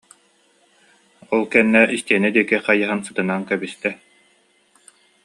Ол кэннэ истиэнэ диэки хайыһан сытынан кэбистэ